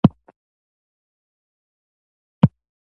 د کونډو میرمنو سرپرستي څوک کوي؟